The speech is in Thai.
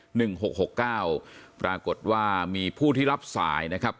หกหกเก้าปรากฏว่ามีผู้ที่รับสายนะครับ